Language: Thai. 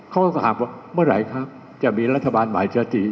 เขาก็ถามว่าเมื่อไหร่ครับจะมีรัฐบาลใหม่จะตี